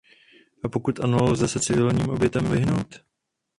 A pokud ano, lze se civilním obětem vyhnout?